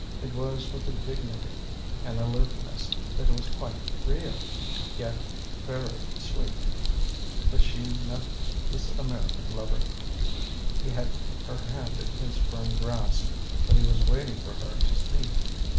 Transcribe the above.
It was with a dignity, an aloofness, that was quite real, yet very sweet, that she met this American lover. He had her hand in his firm grasp, but he was waiting for her to speak.